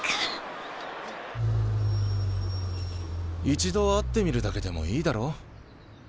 一度会ってみるだけでもいいだろう。